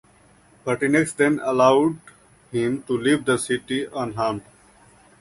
Pertinax then allowed him to leave the city unharmed.